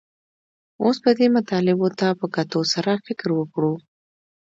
اوس به دې مطالبو ته په کتو سره فکر وکړو